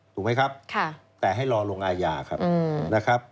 ถูกไหมครับแต่ให้รอลงอาญาครับนะครับ